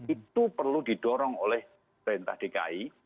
itu perlu didorong oleh perintah dki